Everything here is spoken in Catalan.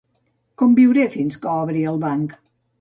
Com viuré fins que obri el banc?